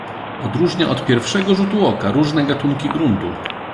"Odróżnia od pierwszego rzutu oka różne gatunki gruntu."